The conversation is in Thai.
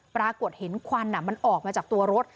ปรากฏเห็นควันมันออกมาจากตัวรถ